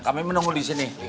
saya menunggu disini